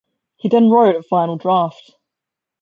He then wrote a final draft.